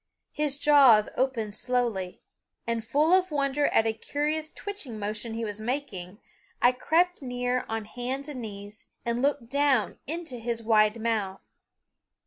His jaws opened slowly and full of wonder at a curious twitching motion he was making, I crept near on hands and knees and looked down into his wide open mouth.